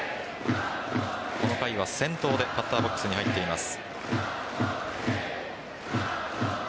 この回は先頭でバッターボックスに入っています。